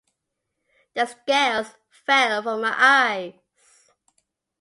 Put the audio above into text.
The scales fell from my eyes.